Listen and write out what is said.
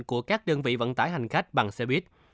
của các đơn vị vận tải hành khách bằng xe buýt